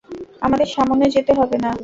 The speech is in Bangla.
আমাদের সামনে যেতে হবে না।